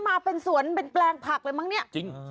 มาเป็นสวนเป็นแปลงผักเลยมั้งเนี่ยจริง